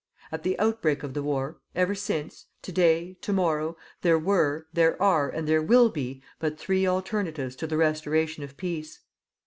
At the outbreak of the war, ever since, to day, to morrow, there were, there are and there will be but three alternatives to the restoration of peace: 1.